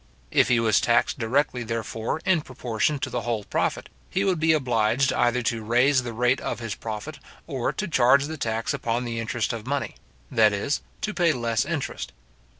If he was taxed directly, therefore, in proportion to the whole profit, he would be obliged either to raise the rate of his profit, or to charge the tax upon the interest of money; that is, to pay less interest.